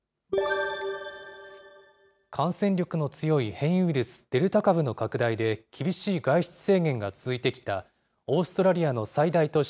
感染力の強い変異ウイルス、デルタ株の拡大で、厳しい外出制限が続いてきたオーストラリアの最大都市